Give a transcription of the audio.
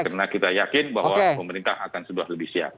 karena kita yakin bahwa pemerintah akan sudah lebih siap